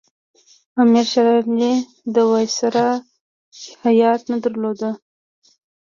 امیر شېر علي د وایسرا هیات نه رداوه.